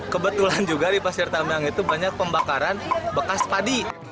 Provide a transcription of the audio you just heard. kebetulan juga di pasir tambang itu banyak pembakaran bekas padi